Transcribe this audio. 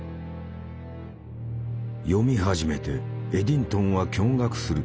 読み始めてエディントンは驚がくする。